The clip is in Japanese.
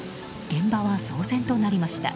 現場は騒然となりました。